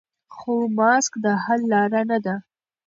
خو ماسک د حل لاره نه ده.